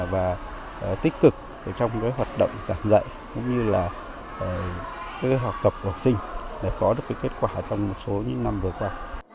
và tích cực trong cái hoạt động giảng dạy cũng như là cái học tập học sinh để có được cái kết quả trong một số những năm vừa qua